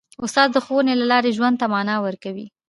استاد د ښوونې له لارې ژوند ته مانا ورکوي.